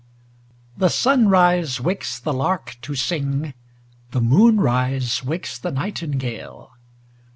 The sunrise wakes the lark to sing, The moonrise wakes the nightingale.